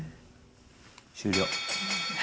終了。